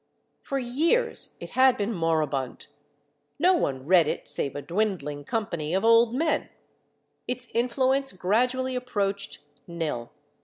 For years it had been moribund; no one read it save a dwindling company of old men; its influence gradually approached nil.